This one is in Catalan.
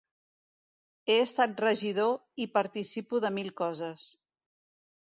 He estat regidor i participo de mil coses.